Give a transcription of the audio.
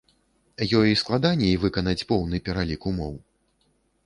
Ёй складаней выканаць поўны пералік умоў?